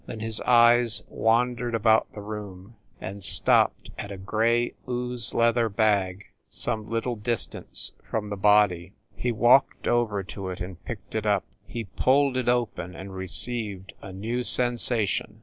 Then his eyes wandered about the room, and stopped at a gray ooze leather bag some little distance away from the body. He walked over to it and picked it up. He pulled it open and received a new sensation.